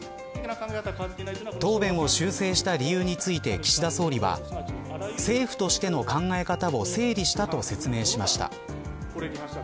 答弁を修正した理由について岸田総理は政府としての考え方を整理したと説明しました。